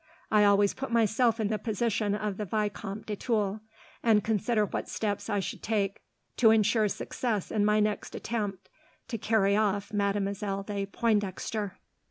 I always put myself in the position of the Vicomte de Tulle, and consider what steps I should take to ensure success in my next attempt to carry off Mademoiselle de Pointdexter."